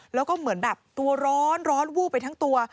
แล้วก็เหมือนแบบตัวร้อนวูบไปทั้งตัว